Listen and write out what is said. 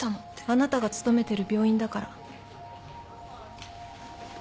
あなたが勤めてる病院だから。